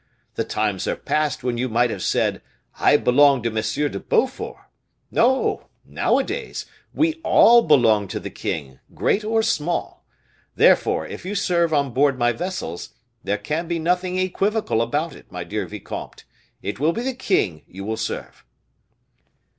The times are past when you might have said, 'I belong to M. de Beaufort.' No, nowadays, we all belong to the king, great or small. Therefore, if you serve on board my vessels, there can be nothing equivocal about it, my dear vicomte; it will be the king you will serve."